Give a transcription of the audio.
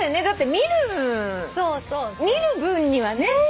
だって見る分にはね。